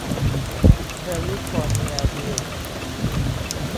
แคลิฟอร์เนียวิลล์